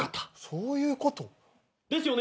そういうこと。ですよね？